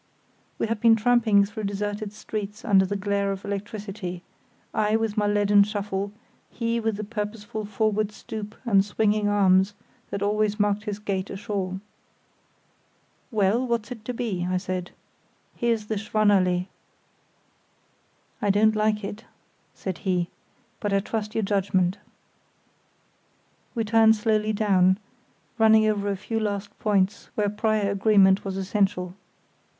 We had been tramping through deserted streets under the glare of electricity, I with my leaden shuffle, he with the purposeful forward stoop and swinging arms that always marked his gait ashore. "Well, what's it to be?" I said. "Here's the Schwannallée." "I don't like it," said he; "but I trust your judgement." We turned slowly down, running over a few last points where prior agreement was essential.